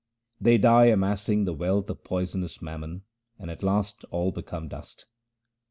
They die amassing the wealth of poisonous mammon and at last all become dust.